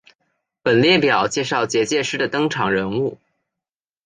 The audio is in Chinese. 本列表介绍结界师的登场人物。